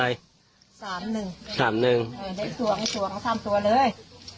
ได้ตัวแล้ว๓ตัวเลย